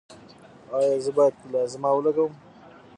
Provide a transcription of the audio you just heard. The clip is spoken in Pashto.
ایا زه باید پلازما ولګوم؟